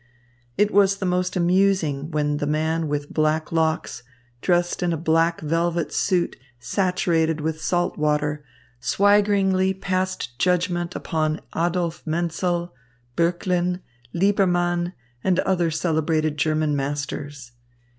It was most amusing when the man with black locks, dressed in a black velvet suit saturated with salt water, swaggeringly passed judgment upon Adolf Menzel, Böcklin, Liebermann, and other celebrated German masters.